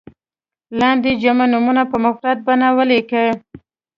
لاندې جمع نومونه په مفرد بڼه ولیکئ.